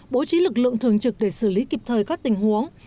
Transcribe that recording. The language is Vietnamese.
bố trí lực lượng thường trực để xử lý kịp thời các tình huống